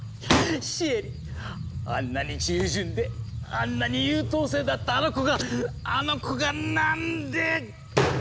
シエリあんなに従順であんなに優等生だったあの子があの子がなんで！